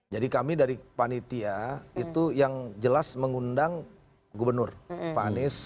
jadi kami dari panitia itu yang jelas mengundang gubernur pak anies